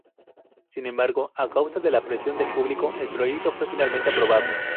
Sin embargo, a causa de la presión del público, el proyecto fue finalmente aprobado.